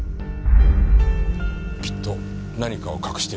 きっと何かを隠してる。